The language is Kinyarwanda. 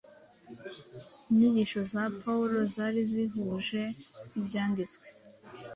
Inyigisho za Pawulo zari zihuje n’Ibyanditswe